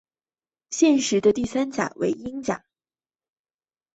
现时的第三级为英甲。